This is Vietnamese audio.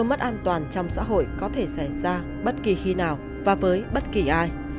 mất an toàn trong xã hội có thể xảy ra bất kỳ khi nào và với bất kỳ ai